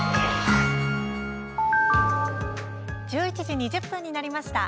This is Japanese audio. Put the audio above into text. １１時２０分になりました。